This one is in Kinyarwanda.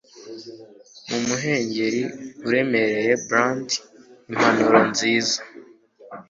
Mumuhengeri uremereye bland impumuro nziza